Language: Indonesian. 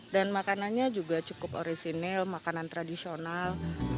dan makanannya juga cukup orisinil makanan tradisional